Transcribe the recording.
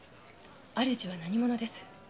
主は何者です。